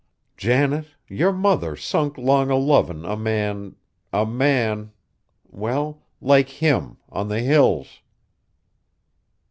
"Janet, yer mother sunk 'long o' lovin' a man a man well, like him on the Hills!"